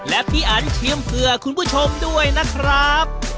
และพี่อันชิมเผื่อคุณผู้ชมด้วยนะครับ